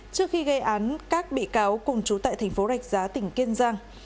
trước khi gây án các bị cáo cùng chú tại thành phố rạch giá tỉnh kiên giang